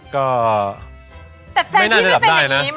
ก็ไม่น่าจะจับได้นะแต่แฟนพี่ไม่เป็นแบบนี้มั้ง